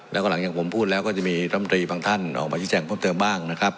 แล้วก็หลังจากผมพูดแล้วก็จะมีรัฐมนตรีบางท่านออกมาชี้แจงเพิ่มเติมบ้างนะครับ